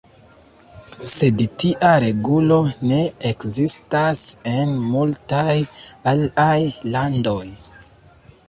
Sed tia regulo ne ekzistas en multaj aliaj landoj.